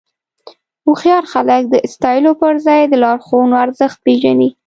هوښیار خلک د ستایلو پر ځای د لارښوونو ارزښت پېژني.